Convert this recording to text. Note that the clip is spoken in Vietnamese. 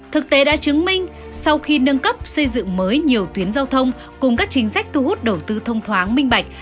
thực tế đã chứng minh sau khi nâng cấp xây dựng mới nhiều tuyến giao thông cùng các chính sách thu hút đầu tư thông thoáng minh bạch